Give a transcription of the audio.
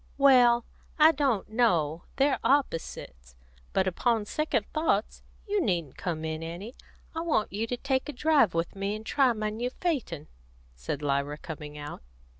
"Well, I don't know; they're opposites. But, upon second thoughts, you needn't come in, Annie. I want you to take a drive with me, and try my new phaeton," said Lyra, coming out.